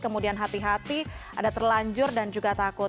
kemudian hati hati ada terlanjur dan juga takut